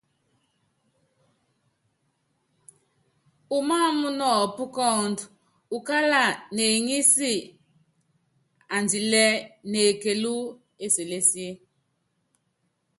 Umááma nɔɔpú kɔ́ɔ́ndú, ukála neŋísi káandilɛ́ nekelú eselési.